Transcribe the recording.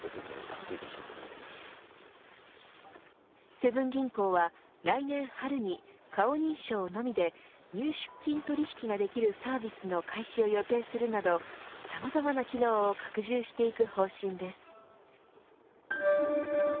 セブン銀行は、来年春に顔認証のみで入出金取引ができるサービスの開始を予定するなどさまざまな機能を拡充していく方針です。